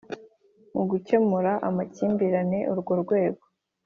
Mu gukemura amakimbirane urwo rwego